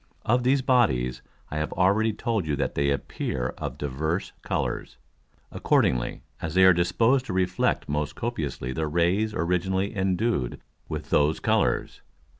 Of these Bodies I have already told you that they appear of divers Colours, accordingly as they are disposed to reflect most copiously the Rays originally endued with those Colours.